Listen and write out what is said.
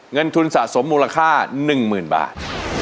เงินทุนสะสมมูลค่า๑๐๐๐บาท